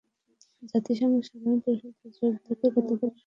জাতিসংঘের সাধারণ পরিষদে যোগ দিতে গতকাল শুক্রবার মোদির যুক্তরাষ্ট্রে পৌঁছানোর কথা।